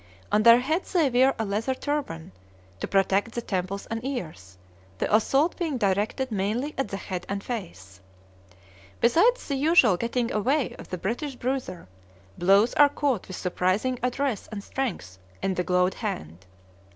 On their heads they wear a leather turban, to protect the temples and ears, the assault being directed mainly at the head and face. Besides the usual "getting away" of the British bruiser, blows are caught with surprising address and strength in the gloved hand.